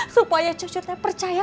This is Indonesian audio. supaya cucu teh percaya